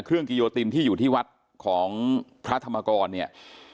กิโยตินที่อยู่ที่วัดของพระธรรมกรเนี่ย